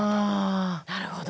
なるほど。